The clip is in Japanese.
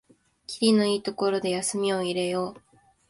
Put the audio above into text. きりのいいところで休みを入れよう